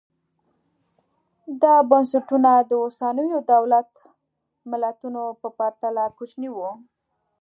دا بنسټونه د اوسنیو دولت ملتونو په پرتله کوچني وو